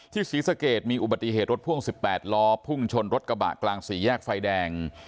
ศรีสะเกดมีอุบัติเหตุรถพ่วง๑๘ล้อพุ่งชนรถกระบะกลางสี่แยกไฟแดง